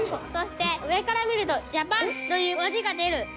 そして上から見ると「ＪＡＰＡＮ」という文字が出る。